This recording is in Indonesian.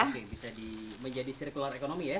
bisa menjadi sirkular ekonomi ya